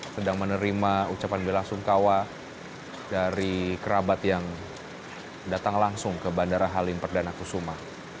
sedang menerima ucapan bela sukawa dari kerabat yang datang langsung ke bandara halim peranakusuma